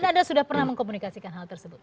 dan anda sudah pernah mengkomunikasikan hal tersebut